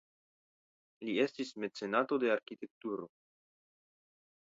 Li estis mecenato de arkitekturo.